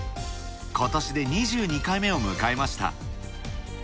ことしで２２回目を迎えました。